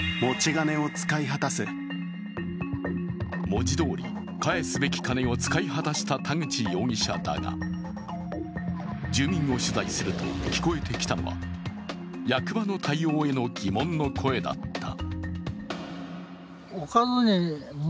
文字どおり返すべき金を使い果たした田口容疑者だが住民を取材すると、聞こえてきたのは役場の対応への疑問の声だった。